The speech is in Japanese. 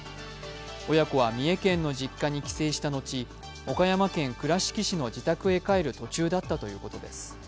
親子は三重県の実家に帰省したのち岡山県倉敷市の自宅へ帰る途中だったということです。